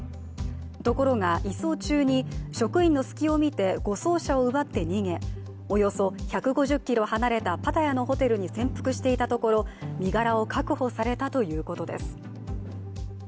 ところが移送中に職員の隙を見て護送車を奪って逃げおよそ１５０ｋｍ離れたパタヤのホテルに潜伏していたところ身柄を確保されたということです。